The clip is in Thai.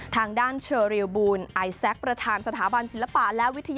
ทางด้านเชอร์เรียลบูนไอซักประธานสถาบันศิลปะ